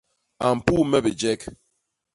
A mpuu me bijek.